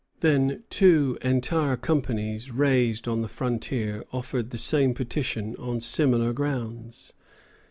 Then two entire companies raised on the frontier offered the same petition on similar grounds.